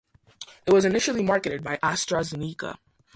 It was initially marketed by AstraZeneca.